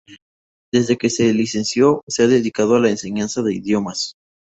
Desde que se licenció se ha dedicado a la enseñanza de idiomas.